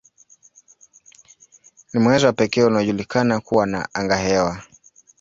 Ni mwezi wa pekee unaojulikana kuwa na angahewa.